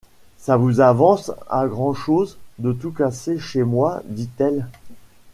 Ça vous avance à grand’chose, de tout casser chez moi! dit-elle.